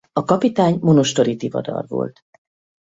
A kapitány Monostori Tivadar volt.